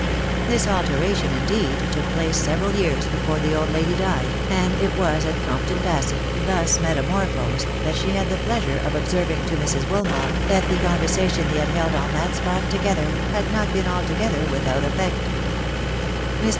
This alteration, indeed, took place several jeaxtVM&Kttafc <&& 'Vt&i $*&,«ki i THE WIDOW BARN AST* 4QS . it was at Compton Basett, thus metamorphosed, that she had the pleasure of observing to Mrs. Wilmot, that the conversa tion they had held on that spot together had not been alto* gether without effect. Mr.